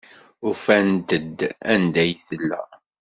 Ufant-d anda ay tella.